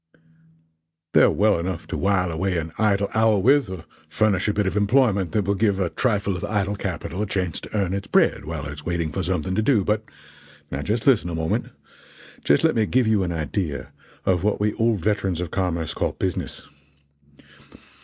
They're well enough to while away an idle hour with, or furnish a bit of employment that will give a trifle of idle capital a chance to earn its bread while it is waiting for something to do, but now just listen a moment just let me give you an idea of what we old veterans of commerce call 'business.'